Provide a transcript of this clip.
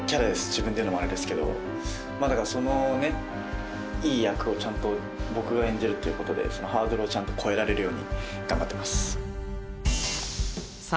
自分で言うのもあれですけどだからそのいい役をちゃんと僕が演じるっていうことでそのハードルをちゃんと越えられるように頑張ってます